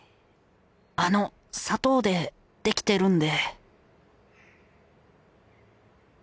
あの砂糖で出来てるんで。